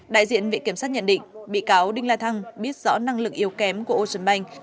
đại diện viện kiểm sát nhận định bị cáo đinh la thăng biết rõ năng lực yếu kém của ocean bank